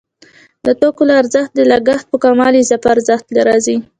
د توکو له ارزښت د لګښت په کمولو اضافي ارزښت راځي